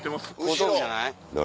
後頭部じゃない？